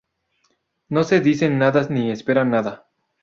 No se dicen nada ni esperan nada.